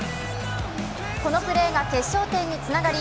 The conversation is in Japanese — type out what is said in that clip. このプレーが決勝点につながり